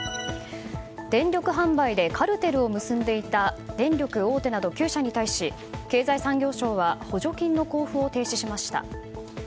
電力販売でカルテルを結んでいた電力大手など９社に対し経済産業省は補助金の交付を停止しました。